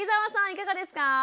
いかがですか？